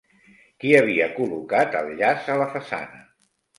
Qui havia col·locat el llaç a la façana?